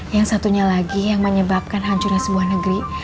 yang satunya lagi yang menyebabkan hancurnya sebuah negeri